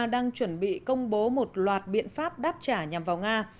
đang chuẩn bị công bố một loạt biện pháp đáp trả nhằm vào nga